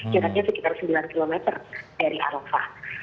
jatatnya sekitar sembilan km dari arabah